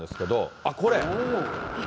あっ、これ。